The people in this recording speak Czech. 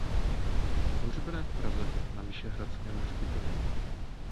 Pohřbena je v Praze na Vyšehradském hřbitově.